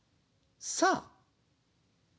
「さあ」？